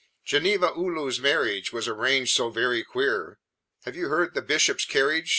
"Genevieve O loola's marriage Was arranged so very queer Have you read 'The Bishop's Carriage'?